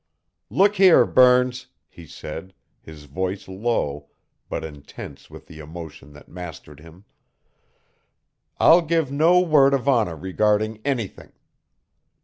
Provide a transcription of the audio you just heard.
"Look here, Burns," he said, his voice low, but intense with the emotion that mastered him, "I'll give no word of honor regarding anything.